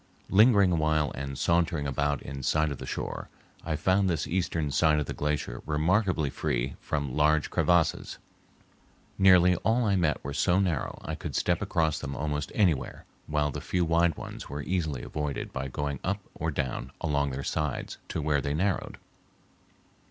Lingering a while and sauntering about in sight of the shore, I found this eastern side of the glacier remarkably free from large crevasses. Nearly all I met were so narrow I could step across them almost anywhere, while the few wide ones were easily avoided by going up or down along their sides to where they narrowed.